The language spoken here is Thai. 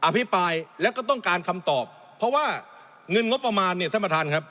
ภิปรายแล้วก็ต้องการคำตอบเพราะว่าเงินงบประมาณเนี่ยท่านประธานครับ